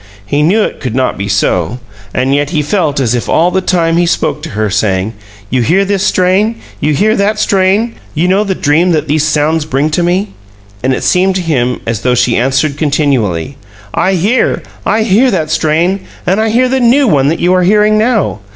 He knew it could not be so, and yet he felt as if all the time he spoke to her, saying: "You hear this strain? You hear that strain? You know the dream that these sounds bring to me?" And it seemed to him as though she answered continually: "I hear! I hear that strain, and I hear the new one that you are hearing now.